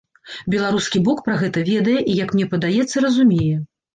Беларускі бок пра гэта ведае і, як мне падаецца, разумее.